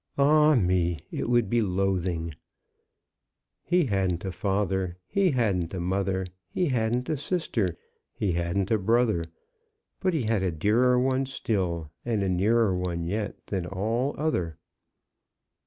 "Ah me! it would be loathing! He hadn't a father; he hadn't a mother; he hadn't a sister; he hadn't a brother; but he had a dearer one still, and a nearer one yet, than all other.